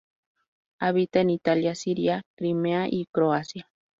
Habita en Italia Siria, Crimea y Croacia.